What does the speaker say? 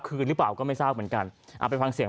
คืนหรือเปล่าก็ไม่ทราบเหมือนกันเอาไปฟังเสียง